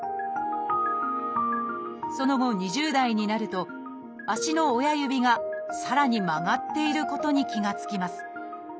その後２０代になると足の親指がさらに曲がっていることに気が付きます。